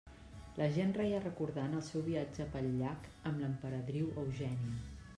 La gent reia recordant el seu viatge pel llac amb l'emperadriu Eugènia.